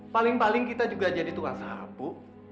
paling paling kita juga jadi tuhan sahabu